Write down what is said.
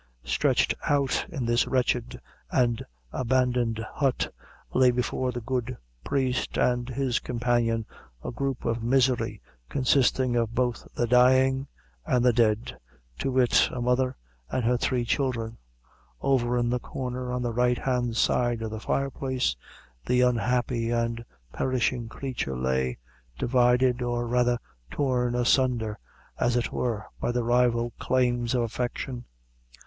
Stretched out in this wretched and abandoned hut, lay before the good priest and his companion, a group of misery, consisting of both the dying and the dead to wit, a mother and her three children. Over in the corner, on the right hand side of the fire place, the unhappy and perishing creature lay, divided, or rather torn asunder, as it were, by the rival claims of affection.